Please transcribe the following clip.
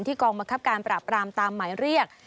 กองบังคับการปราบรามตามหมายเรียก